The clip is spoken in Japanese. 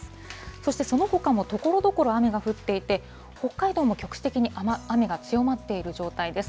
そしてそのほかもところどころ雨が降っていて、北海道も局地的に雨が強まっている状態です。